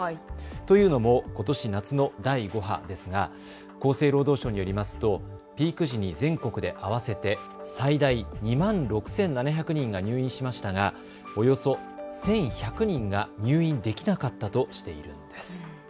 というのもことし夏の第５波ですが厚生労働省によりますとピーク時に全国で合わせて最大２万６７００人が入院しましたがおよそ１１００人が入院できなかったとしているんです。